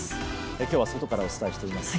今日は外からお伝えしています。